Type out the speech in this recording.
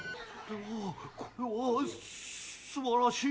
おぉこれはすばらしい。